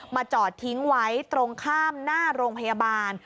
จอดทิ้งไว้ตรงข้ามหน้าโรงพยาบาล